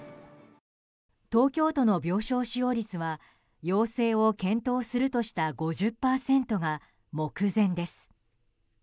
東京都の病床使用率は要請を検討するとした５０％が目前です。